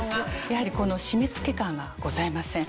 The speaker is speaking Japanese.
やはり締め付け感がございません。